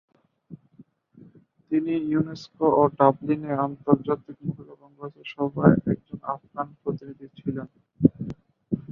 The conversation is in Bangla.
তিনি ইউনেস্কো এবং ডাবলিনে আন্তর্জাতিক মহিলা কংগ্রেসের সভায় একজন আফগান প্রতিনিধি ছিলেন।